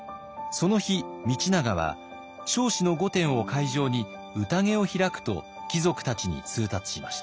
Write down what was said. その日道長は彰子の御殿を会場に宴を開くと貴族たちに通達しました。